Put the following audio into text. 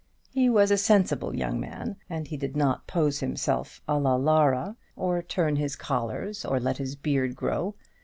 He was a sensible young man; and he did not pose himself à la Lara, or turn down his collars, or let his beard grow.